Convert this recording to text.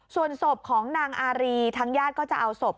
ส่วนศพของนางอารีทางญาติก็จะเอาศพ